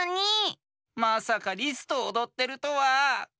まさかリスとおどってるとは！